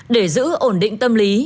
để giữ ổn định tâm lý